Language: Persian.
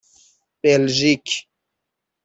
بلژیک